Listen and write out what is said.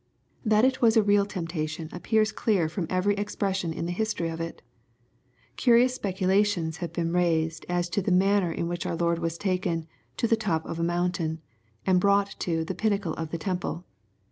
That it was a real temptation appears clear^^^^^ every expression in the history of it Curious speculations haye been raised as to the manner in which our Lord was taken to " the top of a mountain," and brought to ^* tlie pinnacle of the temple."